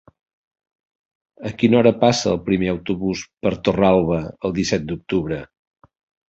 A quina hora passa el primer autobús per Torralba el disset d'octubre?